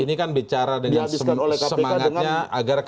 dihabiskan oleh kpk dengan